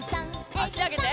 あしあげて。